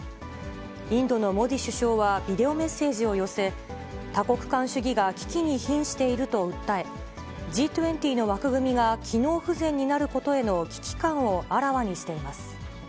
インドのモディ首相はビデオメッセージを寄せ、多国間主義が危機にひんしていると訴え、Ｇ２０の枠組みが機能不全になることへの危機感をあらわにしています。